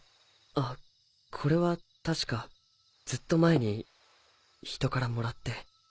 あっこれは確かずっと前に人からもらって。